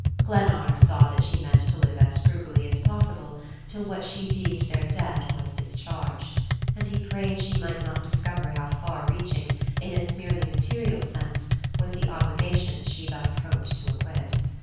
Glennard saw that she meant to live as frugally as possible till what she deemed their debt was discharged; and he prayed she might not discover how far reaching, in its merely material sense, was the obligation she thus hoped to acquit.